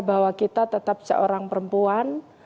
bahwa kita tetap seorang perempuan